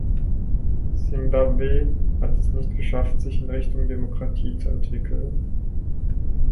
Simbabwe hat es nicht geschafft, sich in Richtung Demokratie zu entwickeln.